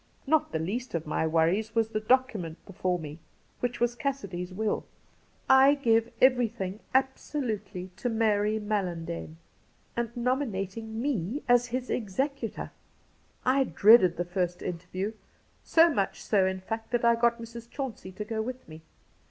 Not the least of my worries was the document before me, which was Cassidy's will :' I give everything i6o Cassidy absolutely to Mary Mallandane,' and nominating me as his executor. I dreaded the first interview — so much so, in fact, that I got Mrs. Chauncey to go with me.